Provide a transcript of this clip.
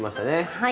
はい。